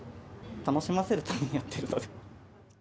楽しませるためにやってるので。